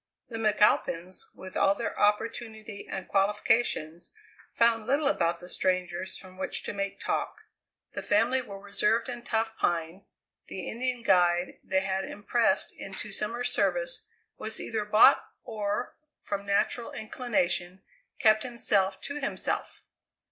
The McAlpins, with all their opportunity and qualifications, found little about the strangers from which to make talk. The family were reserved, and Tough Pine, the Indian guide they had impressed into summer service, was either bought or, from natural inclination, kept himself to himself.